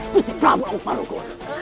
busti prabu amuk marukul